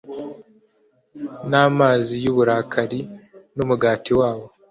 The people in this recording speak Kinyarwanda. Namazi yuburakari numugati wabo